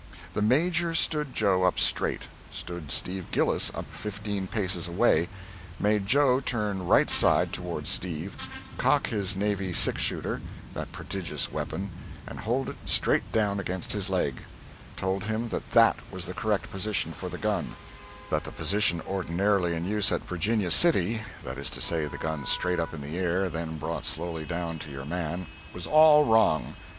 The Major stood Joe up straight; stood Steve Gillis up fifteen paces away; made Joe turn right side towards Steve, cock his navy six shooter that prodigious weapon and hold it straight down against his leg; told him that that was the correct position for the gun that the position ordinarily in use at Virginia City (that is to say, the gun straight up in the air, then brought slowly down to your man) was all wrong.